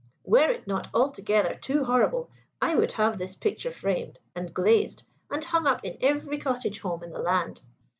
Were it not altogether too horrible, I would have this picture framed and glazed and hung up in every cottage home in the land."